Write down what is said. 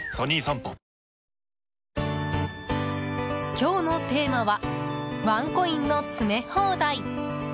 今日のテーマはワンコインの詰め放題。